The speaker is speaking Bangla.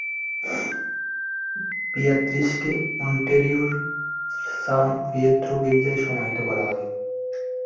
বিয়াত্রিসকে মন্টেরিওর সান পিয়েত্রো গির্জায় সমাহিত করা হয়।